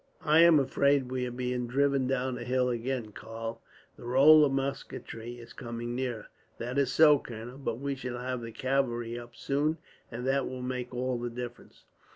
"I am afraid we are being driven down the hill again, Karl. The roll of musketry is coming nearer." "That is so, colonel; but we shall have the cavalry up soon, and that will make all the difference."